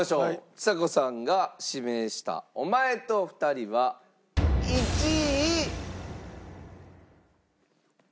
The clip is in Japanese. ちさ子さんが指名した『おまえとふたり』は１位。